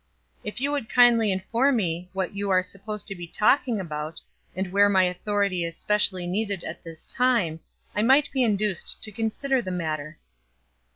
"If you would kindly inform me what you are supposed to be talking about, and where my authority is specially needed at this time, I might be induced to consider the matter."